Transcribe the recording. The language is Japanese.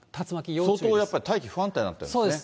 相当やっぱり大気不安定になってるんですね。